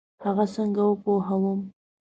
هغه څنګه وپوهوم؟